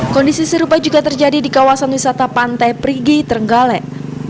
kondisi serupa juga terjadi di kawasan wisata pantai perigi trenggalek